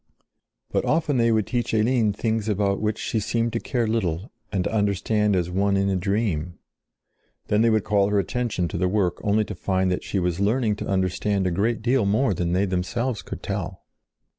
But often they would teach Eline things about which she seemed to care little and to understand as one in a dream. Then they would call her attention to the work only to find that she was learning to understand a great deal more than they themselves could tell.